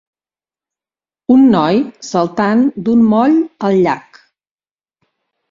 Un noi saltant d'un moll al llac.